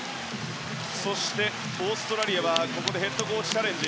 そして、オーストラリアはここでヘッドコーチチャレンジ。